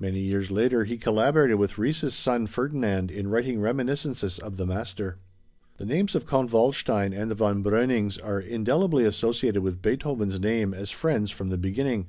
Many years later he collaborated with Ries's son Ferdinand in writing reminiscences of the master. The names of Count Waldstein and the Von Breunings are indelibly associated with Beethoven's name as friends from the beginning.